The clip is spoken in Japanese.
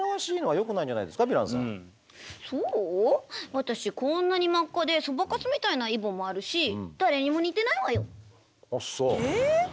私こんなに真っ赤でそばかすみたいなイボもあるしあっそう？え？